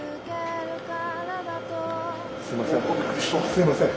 すいません。